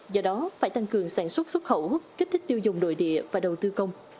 do đó phải tăng cường sản xuất xuất khẩu kích thích tiêu dùng nội địa và đầu tư công